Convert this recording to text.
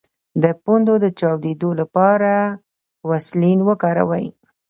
د پوندو د چاودیدو لپاره ویزلین وکاروئ